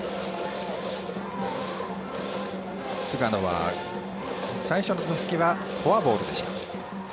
菅野は最初の打席はフォアボールでした。